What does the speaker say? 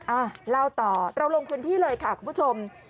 อ่ะเล่าต่อเราลงพื้นที่เลยค่ะคุณผู้ชม